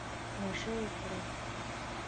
نشه يي کړم.